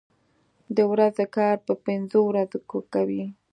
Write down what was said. د ورځې کار په پنځو ورځو کوي.